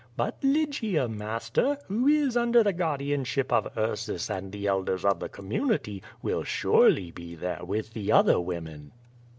But Lygia, master, who is under the guardianship of Ursoa QUO VADI8, 147 and the elders of the community, will surely be there with the other women."